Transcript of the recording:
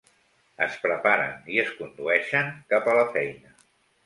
Es preparen i es condueixen cap a la feina.